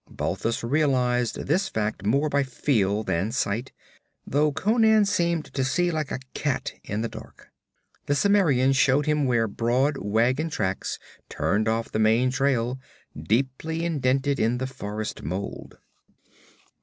Balthus realized this fact more by feel than sight, though Conan seemed to see like a cat in the dark. The Cimmerian showed him where broad wagon tracks turned off the main trail, deeply indented in the forest mold.